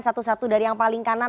satu satu dari yang paling kanan